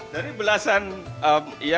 dari belasan yang lama